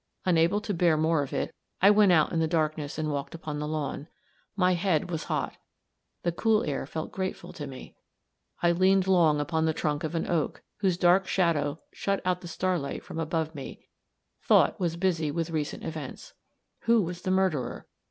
Unable to bear more of it, I went out in the darkness and walked upon the lawn. My head was hot; the cool air felt grateful to me; I leaned long upon the trunk of an oak, whose dark shadow shut out the starlight from about me; thought was busy with recent events. Who was the murderer?